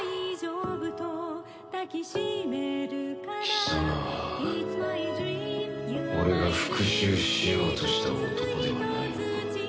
貴様は俺が復讐しようとした男ではないのか。